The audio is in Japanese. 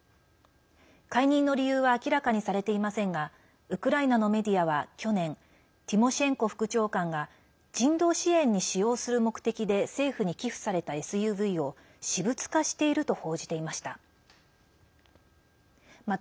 解任の理由は明らかにされていませんがウクライナのメディアは去年ティモシェンコ副長官が人道支援に使用する目的で政府に寄付されたＳＵＶを私物化していると報じていました。